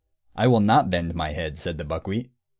"I will not bend my head," said the buckwheat.